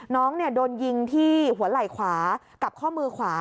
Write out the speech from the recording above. น้องโดนยิงที่หัวไหล่ขวากับข้อมือขวา